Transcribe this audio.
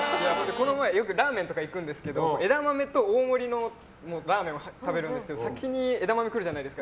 ラーメンとか行くんですけど枝豆と大盛りのラーメンを食べるんですけど先に枝豆が来るじゃないですか。